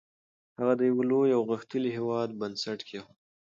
هغه د یو لوی او غښتلي هېواد بنسټ کېښود.